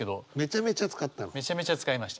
めちゃめちゃ使いました。